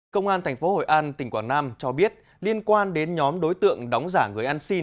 công an tp hội an tỉnh quảng nam cho biết liên quan đến nhóm đối tượng đóng giả người ăn xin